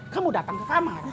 kamu datang ke kamarnya